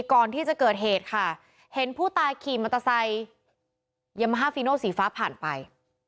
ก่อนที่จะเกิดเหตุค่ะเห็นผู้ตายขี่มอเตอร์ไซค์ยามาฮาฟีโนสีฟ้าผ่านไป